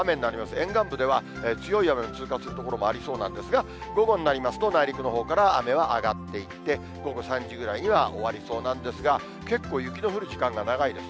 沿岸部では強い雨が通過する所もありそうなんですが、午後になりますと、内陸のほうから雨は上がっていって、午後３時ぐらいには終わりそうなんですが、結構、雪の降る時間が長いです。